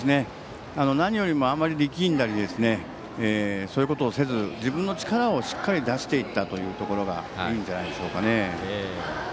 何よりもあまり力んだりそういうことをせず自分の力を出していったところがいいんじゃないでしょうかね。